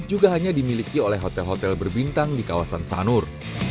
juga hanya dimiliki oleh hotel hotel berbintang di kawasan sanur